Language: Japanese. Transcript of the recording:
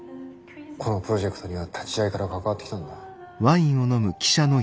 このプロジェクトには立ち上げから関わってきたんだ。